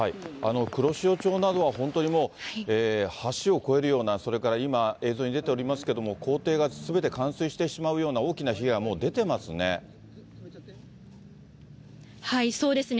黒潮町などは本当にもう、橋を越えるような、それから今、映像に出ておりますけれども、校庭がすべて冠水してしまうような大きな被害がもう出てますね。